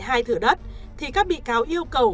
hai thửa đất thì các bị cáo yêu cầu